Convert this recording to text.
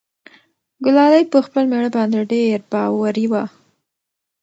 ګلالۍ په خپل مېړه باندې ډېر باوري وه.